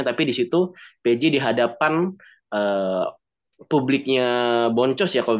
tapi disitu pj di hadapan publiknya broncos ya